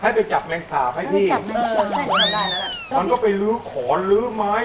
ให้ไปจับแมงสาปให้พี่เออใช่มันได้แล้วน่ะมันก็ไปลื้อขอนลื้อไม้